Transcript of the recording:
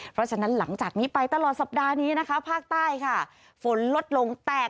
เพราะฉะนั้นหลังจากนี้ไปตลอดสัปดาห์นี้นะคะภาคใต้ค่ะฝนลดลงแตก